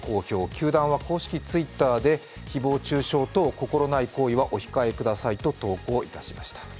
球団は公式Ｔｗｉｔｔｅｒで誹謗中傷など心ない行為はお控えくださいと投稿いたしました。